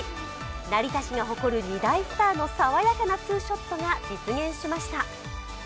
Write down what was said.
成田市が誇る二大スターの爽やかなツーショットが実現しました。